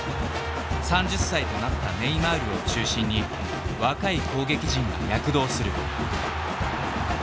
３０歳となったネイマールを中心に若い攻撃陣が躍動する。